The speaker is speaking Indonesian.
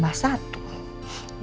apalagi sekarang kan anak ibu tambah satu